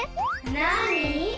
なに？